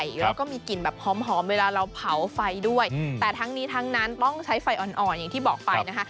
แล้วก็มีกลิ่นแบบหอมเวลาเราเผาไฟด้วยแต่ทั้งนี้ทั้งนั้นต้องใช้ไฟอ่อนอย่างที่บอกไปนะคะ